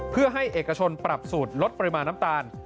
เพื่อให้เอกชนปรับสูตรลดปริมาณน้ำตาล